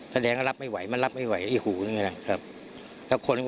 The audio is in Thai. แสดงว่ารับไม่ไหวมันรับไม่ไหวไอ้หูนี่แหละครับ